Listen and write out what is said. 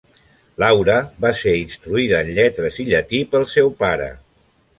Laura va ser instruïda en lletres i llatí pel seu pare.